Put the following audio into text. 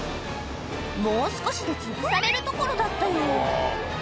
もう少しでつぶされるところだったよ